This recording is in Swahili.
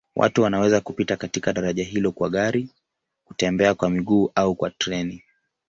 Watu wanaweza kupita katika daraja hilo kwa gari, kutembea kwa miguu au kwa treni.